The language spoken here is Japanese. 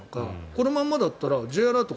このままだったらＪアラート